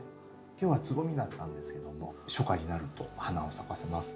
今日はつぼみだったんですけども初夏になると花を咲かせます。